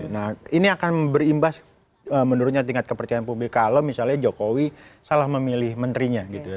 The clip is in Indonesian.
nah ini akan berimbas menurutnya tingkat kepercayaan publik kalau misalnya jokowi salah memilih menterinya gitu ya